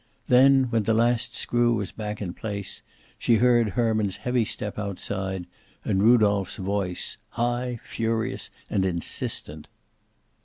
Then, when the last screw was back in place, she heard Herman's heavy step outside, and Rudolph's voice, high, furious, and insistent.